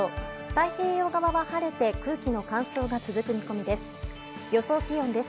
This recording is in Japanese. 太平洋側は晴れて、空気の乾燥が続く見込みです。